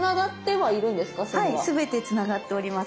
はいすべてつながっております。